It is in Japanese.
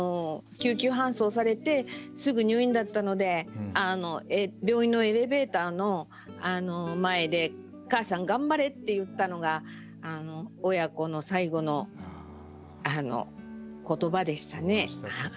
救急搬送されてすぐ入院だったので病院のエレベーターの前で「母さん頑張れ」って言ったのが親子の最後の言葉でしたね。